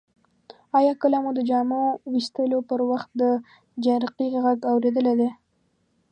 آیا کله مو د جامو ویستلو پر وخت د جرقې غږ اوریدلی دی؟